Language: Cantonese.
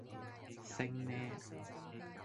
升呢